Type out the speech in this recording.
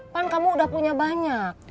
pan kamu udah punya banyak